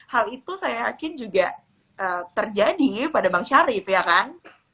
hal itu saya yakin juga terjadi pada bang syarif ya kan